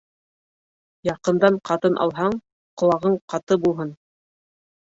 Яҡындан ҡатын алһаң, ҡолағың ҡаты булһын.